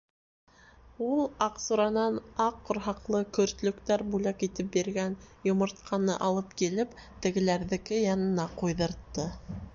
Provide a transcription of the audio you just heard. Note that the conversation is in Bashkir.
Ул Аҡсуранан Аҡ ҡорһаҡлы көртлөктәр бүләк итеп биргән йомортҡаны алып килеп, тегеләрҙеке янына ҡуйҙыртты.